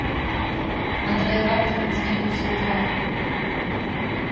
Андрэй раптам змяніўся ў твары.